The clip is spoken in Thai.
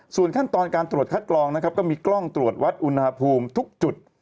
ส่วนขั้นตอนการตรวจคัดกรองนะครับก็มีกล้องตรวจวัดอุณหภูมิทุกจุด